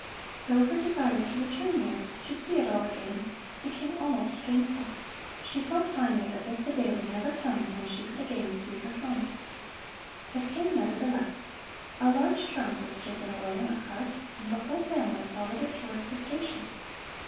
So her desire to return there, to see it all again, became almost painful. She felt finally as if the day would never come when she could again see her home. It came, nevertheless. A large trunk was taken away on a cart, and the whole family followed it towards the station.